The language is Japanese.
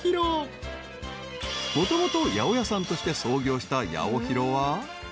［もともと八百屋さんとして創業したヤオヒロは］